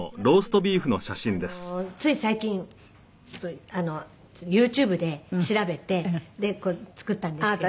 どちらかというとあのつい最近ＹｏｕＴｕｂｅで調べて作ったんですけど。